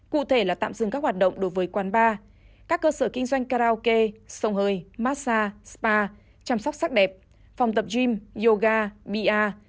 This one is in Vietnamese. cụ thể là tạm dừng các hoạt động đối với quán bar các cơ sở kinh doanh karaoke sông hơi massage spa chăm sóc sắc đẹp phòng tập gym yoga bia